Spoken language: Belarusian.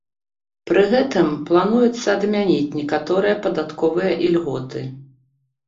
Пры гэтым плануецца адмяніць некаторыя падатковыя ільготы.